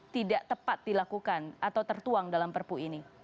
tidak tepat dilakukan atau tertuang dalam perpu ini